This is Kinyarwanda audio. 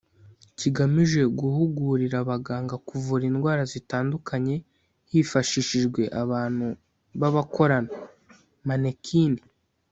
kigamije guhugurira abaganga kuvura indwara zitandukanye hifashishijwe abantu b’abakorano (Mannequin)